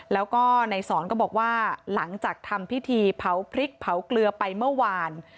แล้วก็ในสอนก็บอกว่าหลังจากทำพิธีเผาพริกเผาเกลือไปเมื่อวาน